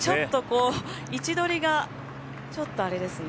位置取りがちょっとあれですね。